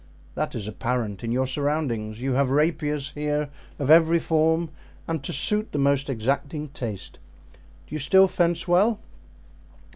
"That is apparent in your surroundings; you have rapiers here of every form and to suit the most exacting taste. Do you still fence well?"